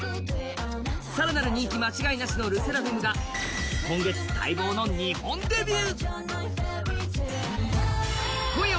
更なる人気間違いなしのＬＥＳＳＥＲＡＦＩＭが今月、待望の日本デビュー。